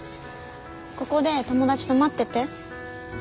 ここで友達と待ってて。